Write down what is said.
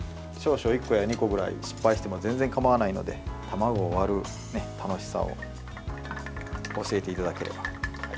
１個や２個ぐらい失敗しても全然かまわないので卵を割る楽しさを教えていただければ。